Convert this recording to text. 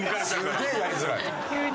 すげえやりづらい。